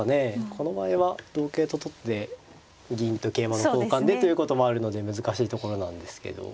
この場合は同桂と取って銀と桂馬の交換でということもあるので難しいところなんですけど。